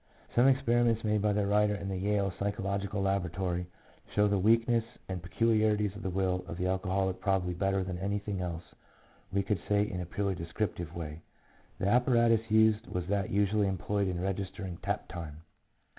Some experiments made by the writer in the Yale Psychological Laboratory, show the weakness and peculiarities of the will of the alcoholic probably better than anything else we could say in a purely descriptive way. The apparatus used was that usually employed in registering tap time.